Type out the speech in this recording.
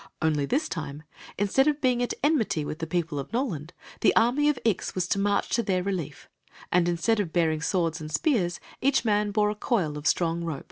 Only this 27+ Quee n Zixi of Ix; or, the time, instead of being at enmity with the people of Noland, the army of Ix was to march to their relief; and instead of bearing swords and spears, each man bore a coil of strong rope.